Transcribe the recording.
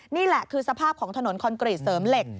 นี่คือสภาพของถนนคอนกรีตเสริมเหล็ก